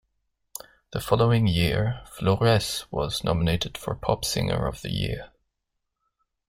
The following year, Flores was nominated for Pop Singer of the Year.